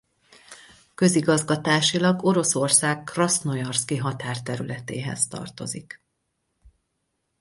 Közigazgatásilag Oroszország Krasznojarszki határterületéhez tartozik.